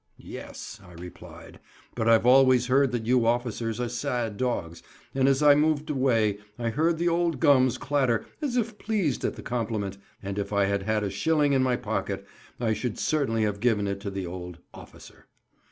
"Yes," I replied, "but I've always heard that you officers are sad dogs;" and as I moved away I heard the old gums clatter as if pleased at the compliment, and if I had had a shilling in my pocket I should certainly have given it to the old "officer."